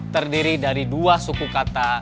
terdiri dari dua suku kata